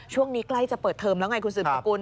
ช่วงนี้ใกล้จะเปิดเทอมแล้วไงคุณสืบสกุล